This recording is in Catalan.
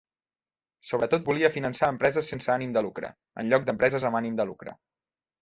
Sobretot volia finançar a empreses sense ànim de lucre, en lloc d'empreses amb ànim de lucre.